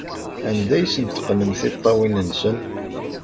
Anda ay asen-teqqnemt tiṭṭawin-nsen?